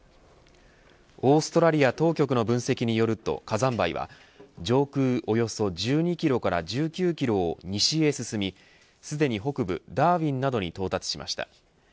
オーストラリア当局の分析によると火山灰は上空およそ１２キロから１９キロを西へ進みすでに、北部ダーウィンなどに到達しました。